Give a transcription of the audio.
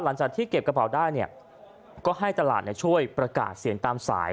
หลังจากที่เก็บกระเป๋าได้เนี่ยก็ให้ตลาดช่วยประกาศเสียงตามสาย